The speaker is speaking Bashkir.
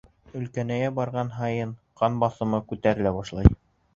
Өлкәнәйә барған һайын ҡан баҫымы күтәрелә башлай.